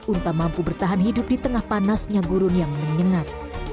unta mampu bertahan hidup di tengah panasnya gurun yang menyengat